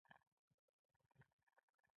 اوبه ژوند دی؟